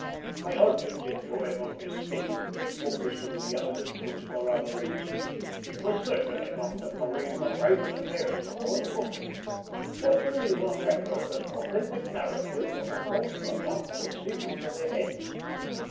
My object in drawing up this statement and publishing the evidence which corroborates it, was certainly not to parade my private affairs before the public, but to leave on record an authentic narrative of a most remarkable series of events.